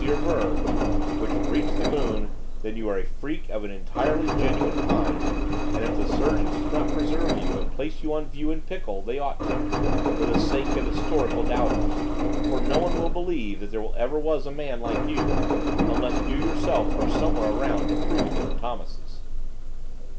Verne's, which reached the moon, then you are a freak of an entirely genuine kind, and if the surgeons do not preserve you, and place you on view, in pickle, they ought to, for the sake of historical doubters, for no one will believe that there ever was a man like you, unless you yourself are somewhere around to prove them Thomases.